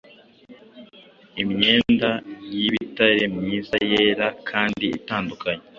imyenda y’ibitare myiza, yera, kandi itanduye”